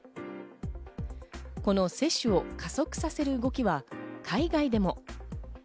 この接種を加速させる動きは海外でも。